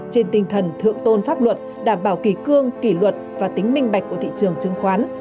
trên tinh thần thượng tôn pháp luật đảm bảo kỳ cương kỳ luật và tính minh bạch của thị trường chứng khoán